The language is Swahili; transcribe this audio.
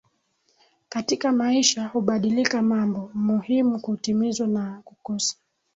katika maisha hubadilika mambo muhimu hutimizwa na kukosa